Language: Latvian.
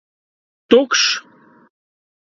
Tukšs!